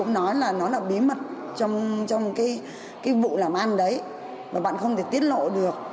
đó là bí mật trong cái vụ làm ăn đấy mà bạn không thể tiết lộ được